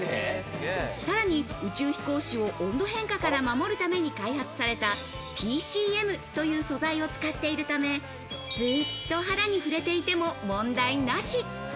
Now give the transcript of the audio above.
さらに宇宙飛行士を温度変化から守るために開発されたＰＣＭという素材を使っているため、ずっと肌に触れていても問題なし。